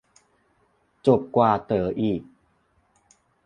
จบกว่าเต๋ออีก